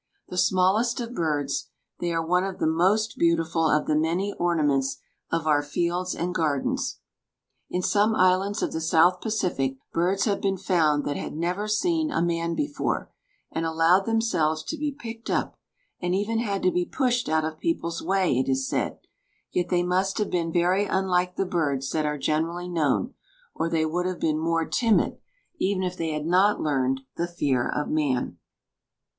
The smallest of birds, they are one of the most beautiful of the many ornaments of our fields and gardens. In some islands of the south Pacific birds have been found that had never seen a man before, and allowed themselves to be picked up, and even had to be pushed out of peoples' way, it is said, yet they must have been very unlike the birds that are generally known, or they would have been more timid, even if they had not learned the fear of man.